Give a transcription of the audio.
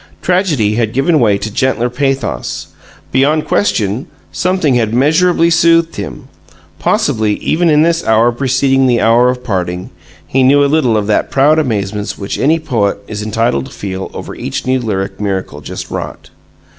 Tragedy had given way to gentler pathos; beyond question, something had measurably soothed him. Possibly, even in this hour preceding the hour of parting, he knew a little of that proud amazement which any poet is entitled to feel over each new lyric miracle just wrought.